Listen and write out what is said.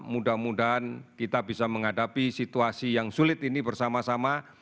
mudah mudahan kita bisa menghadapi situasi yang sulit ini bersama sama